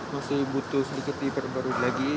masih butuh sedikit diperbarui lagi